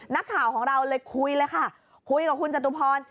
นักข่าวของเราเลยคุยเลยค่ะคุยกับคุณจตุพร